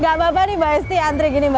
gak apa apa nih mbak esti antri gini mbak